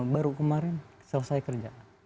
baru kemarin selesai kerja